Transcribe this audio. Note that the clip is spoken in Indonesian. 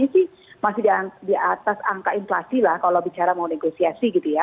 ini sih masih di atas angka inflasi lah kalau bicara mau negosiasi gitu ya